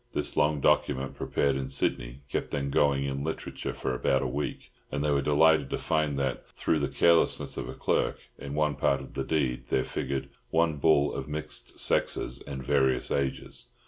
This long document, prepared in Sydney, kept them going in literature for about a week; and they were delighted to find that, through the carelessness of a clerk, in one part of the deed there figured "one bull of mixed sexes and various ages."